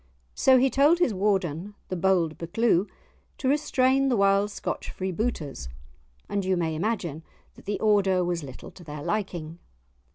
So he told his Warden, the bold Buccleuch, to restrain the wild Scotch freebooters; and you may imagine that the order was little to their liking.